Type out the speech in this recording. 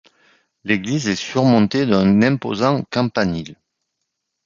L'église est surmontée d'un imposant campanile.